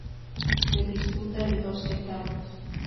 Se disputa en dos etapas.